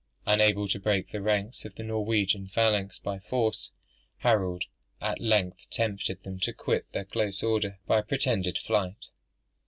Unable to break the ranks of the Norwegian phalanx by force, Harold at length tempted them to quit their close order by a pretended flight.